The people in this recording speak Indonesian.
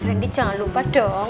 mas randy jangan lupa dong